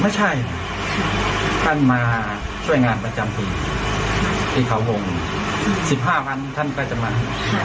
ไม่ใช่ท่านมาช่วยงานประจำถิ่นที่เขาวง๑๕วันท่านก็จะมา